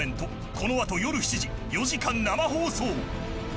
この後、夜７時、４時間生放送。